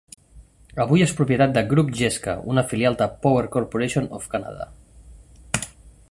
Avui és propietat de Groupe Gesca, una filial de Power Corporation of Canada.